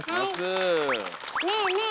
ねえねえ